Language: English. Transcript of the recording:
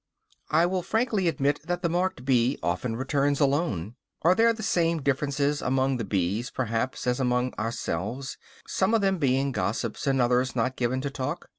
I will frankly admit that the marked bee often returns alone. Are there the same differences among the bees, perhaps, as among ourselves, some of them being gossips, and others not given to talk?